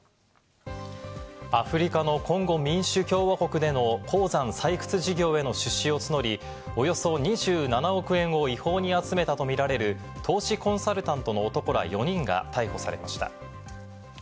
アフリカのコンゴ民主共和国での鉱山採掘事業への出資を募り、およそ２７億円を違法に集めたとみられる投資コンサルタントの男ら４人が逮捕されました。